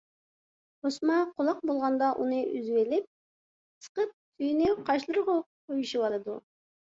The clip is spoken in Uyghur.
ئوسما قۇلاق بولغاندا، ئۇنى ئۈزۈۋېلىپ سىقىپ سۈيىنى قاشلىرىغا قويۇشۇۋالىدۇ.